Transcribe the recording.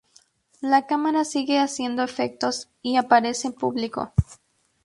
La cámara sigue haciendo efectos y aparece público.